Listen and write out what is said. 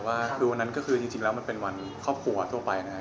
ว่าคือวันนั้นก็คือจริงแล้วมันเป็นวันครอบครัวทั่วไปนะครับ